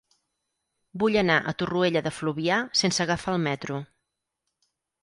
Vull anar a Torroella de Fluvià sense agafar el metro.